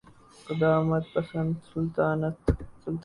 قدامت پسند سلطنت تھی۔